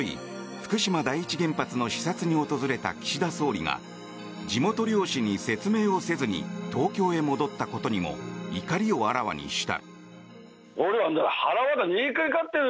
福島第一原発の視察に訪れた岸田総理が地元漁師に説明をせずに東京に戻ったことにも怒りをあらわにした。